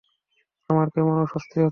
আমার কেমন অস্বস্তি হচ্ছে!